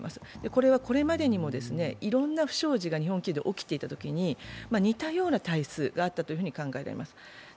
これはこれまでにもいろんな不祥事が日本企業で起きていたときに似たような体質が合ったというふうに考えられています。